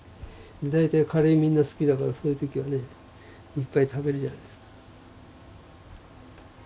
大体カレーみんな好きだからそういう時はねいっぱい食べるじゃないですか。